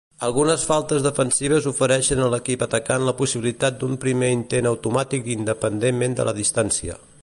Algunes faltes defensives ofereixen a l'equip atacant la possibilitat d'un primer intent automàtic independentment de la distància.